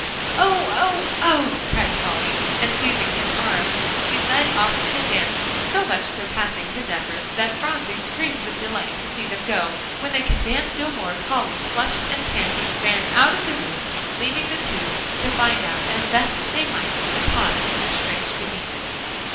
"Oh! oh! oh!" cried Polly, and seizing his arm, she led off in a dance, so much surpassing his efforts, that Phronsie screamed with delight to see them go. When they could dance no more, Polly, flushed and panting, ran out of the room, leaving the two to find out as best they might, the cause of the strange demeanor.